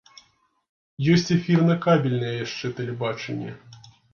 Ёсць эфірна-кабельнае яшчэ тэлебачанне.